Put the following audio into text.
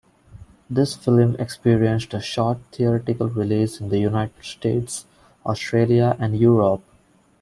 This film experienced a short theatrical release in the United States, Australia, and Europe.